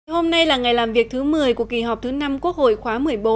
hôm nay là ngày làm việc thứ một mươi của kỳ họp thứ năm quốc hội khóa một mươi bốn